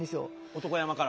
男山から？